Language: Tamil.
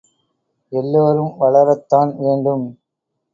எல்லோரும் வளரத்தான் வேண்டும்.